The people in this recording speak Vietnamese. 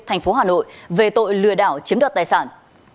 thành phố hà nội về tội lừa đảo chiếm đoạt tài sản